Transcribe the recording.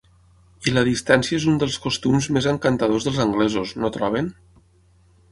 I la distància és un dels costums més encantadors dels anglesos, no troben?